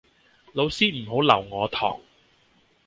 老師唔好留我堂